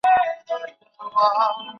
比较已知的光度。